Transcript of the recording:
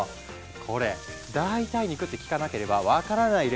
これ代替肉って聞かなければ分からないレベルだよね。